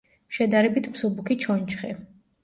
შედარებით მსუბუქი ჩონჩხი.